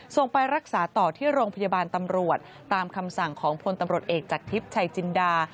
ส่งไปรักษาต่อที่โรงพยาบาลตำรวจตามคำสั่งของพลตำรวจเอกจากทิพย์ชัยจินดา